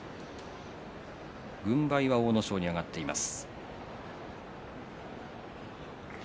軍配は阿武咲に上がっています。